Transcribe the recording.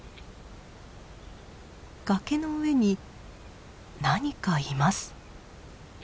崖の上に何かいます。